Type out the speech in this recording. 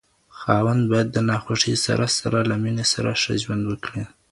خاوند بايد د ناخوښۍ سره سره له ميرمني سره ښه ژوند وکړي